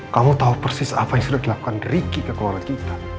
kamu tahu persis apa yang sudah dilakukan ricky ke keluarga kita